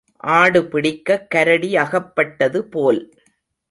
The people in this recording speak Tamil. ஆடு பிடிக்கக் கரடி அகப்பட்டது போல்.